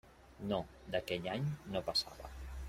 No; d'aquell any no passava.